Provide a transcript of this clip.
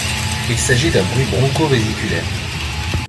Il s'agit d'un bruit bronchovésiculaire.